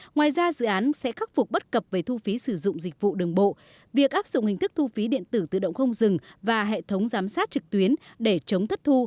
ngoài ra dự án sẽ khắc phục bất cập về thu phí sử dụng dịch vụ đường bộ việc áp dụng hình thức thu phí điện tử tự động không dừng và hệ thống giám sát trực tuyến để chống thất thu